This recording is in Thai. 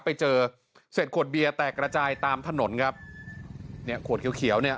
ไปเจอเศษขวดเบียร์แตกระจายตามถนนครับเนี่ยขวดเขียวเขียวเนี่ย